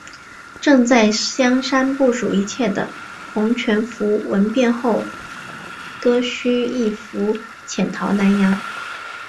正在香山部署一切的洪全福闻变后割须易服潜逃南洋。